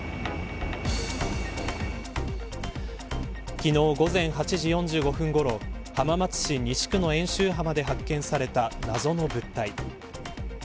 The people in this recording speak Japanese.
昨日午前８時４５分ごろ浜松市西区の遠州浜で発見された謎の物体。